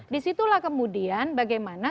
disitulah kemudian bagaimana